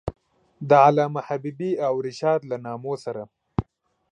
د علامه حبیبي او رشاد له نامو سره.